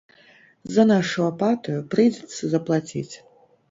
За нашу апатыю прыйдзецца заплаціць.